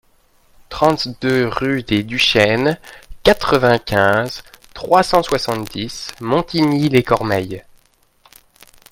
trente-deux rue des Duchesnes, quatre-vingt-quinze, trois cent soixante-dix, Montigny-lès-Cormeilles